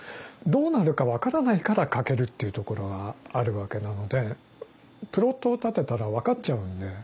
どうなるか分からないから書けるっていうところはあるわけなのでプロットを立てたら分かっちゃうので。